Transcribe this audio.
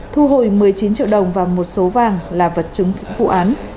thu hồi một mươi chín triệu đồng và một số vàng là vật chứng vụ án